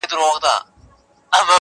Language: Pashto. چي مطلب ته په رسېږي هغه وايي!.